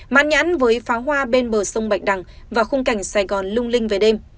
mát nhãn với phá hoa bên bờ sông bạch đằng và khung cảnh sài gòn lung linh về đêm